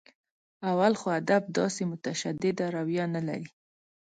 اول خو ادب داسې متشدده رویه نه لري.